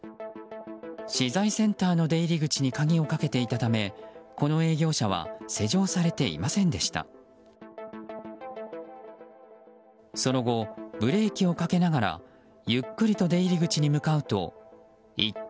資材センターの出入り口に鍵をかけていたためこの営業車は施錠されていませんでした。